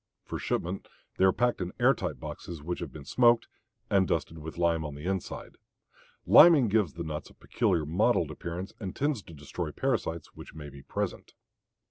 For shipment they are packed in air tight boxes which have been smoked and dusted with lime on the inside. Liming gives the nuts a peculiar mottled appearance and tends to destroy parasites which may be present.